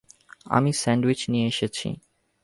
আমি স্যান্ডউইচ নিয়ে এসেছি।